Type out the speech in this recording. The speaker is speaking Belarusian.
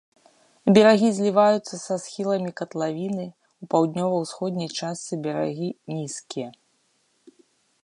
Берагі зліваюцца са схіламі катлавіны, у паўднёва-усходняй частцы берагі нізкія.